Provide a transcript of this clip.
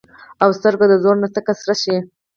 او سترګه د زور نه تکه سره شي